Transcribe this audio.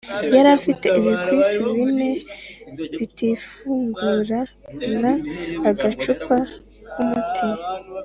yarafite ibikwasi bine bitifungura na agacupa k'umuti